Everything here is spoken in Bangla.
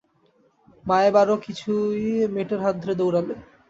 মায় বারও কিছুই মেটের হাত ধরে দৌড়ালে।